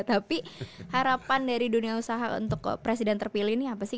tapi harapan dari dunia usaha untuk presiden terpilih ini apa sih